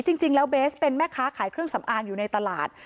จริงแล้วเบสเป็นแม่ค้าขายเครื่องสำอางอยู่ในตลาด